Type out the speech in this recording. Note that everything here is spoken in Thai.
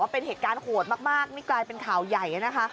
เป็นเหตุการณ์โหดมากจะเป็นข่าวใหญ่